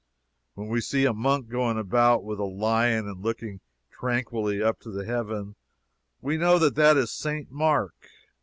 When we see a monk going about with a lion and looking tranquilly up to heaven, we know that that is St. Mark.